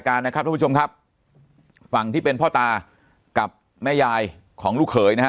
นะครับทุกผู้ชมครับฝั่งที่เป็นพ่อตากับแม่ยายของลูกเขยนะฮะ